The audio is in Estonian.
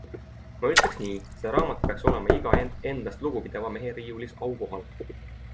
Ma ütleks nii - see raamat peaks olema iga endast lugupidava mehe riiulis aukohal.